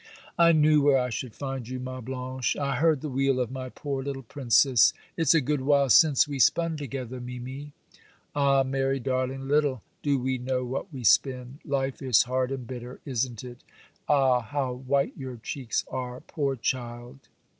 'I knew where I should find you, ma blanche; I heard the wheel of my poor little princess, it's a good while since we spun together, mimi. Ah, Mary darling, little do we know what we spin; life is hard and bitter, isn't it? Ah, how white your cheeks are, poor child!